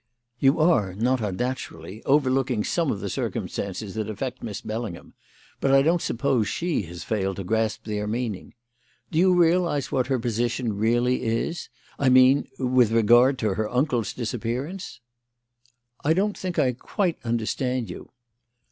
"You are, not unnaturally, overlooking some of the circumstances that affect Miss Bellingham; but I don't suppose she has failed to grasp their meaning. Do you realise what her position really is? I mean with regard to her uncle's disappearance?" "I don't think I quite understand you."